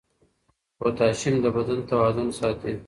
پوټاشیم د بدن توازن ساتي.